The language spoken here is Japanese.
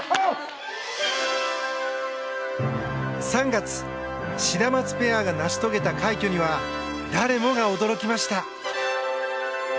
３月、シダマツペアが成し遂げた快挙には誰もが驚きました。